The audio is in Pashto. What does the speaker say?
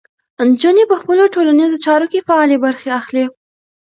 نجونې په خپلو ټولنیزو چارو کې فعالې برخې اخلي.